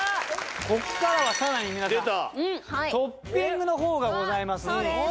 こっからはさらに皆さんトッピングのほうがございます。